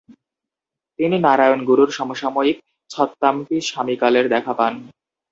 তিনি নারায়ণ গুরুর সমসাময়িক ছত্তাম্পি স্বামীকালের দেখা পান।